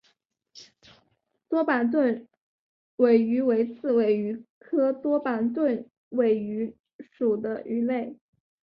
多板盾尾鱼为刺尾鱼科多板盾尾鱼属的鱼类。